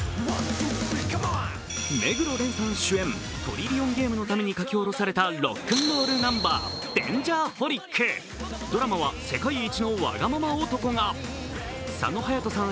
目黒蓮さん主演「トリリオンゲーム」のために書き下ろされたロックンロールナンバー、「Ｄａｎｇｅｒｈｏｌｉｃ」ドラマは世界一のわがまま男が佐野勇斗さん